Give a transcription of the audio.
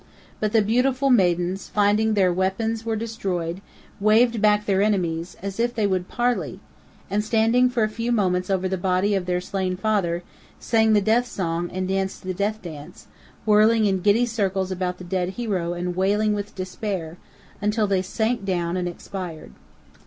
But the beautiful maidens, finding their weapons were destroyed, waved back their enemies, as if they would parley; and standing for a few moments over the body of their slain father, sang the death song and danced the death dance, whirling in giddy circles about the dead hero and wailing with despair, until they sank down and expired.